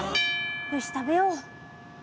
よし食べよう。